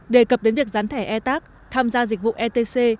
đề cập đến việc gián thẻ etac tham gia dịch vụ etc